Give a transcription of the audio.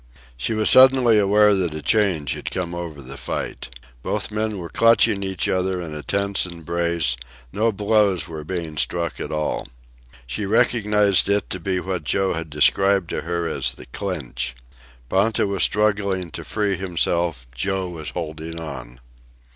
She was suddenly aware that a change had come over the fight. Both men were clutching each other in a tense embrace; no blows were being struck at all. She recognized it to be what Joe had described to her as the "clinch." Ponta was struggling to free himself, Joe was holding on.